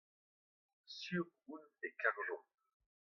sur on e karjomp.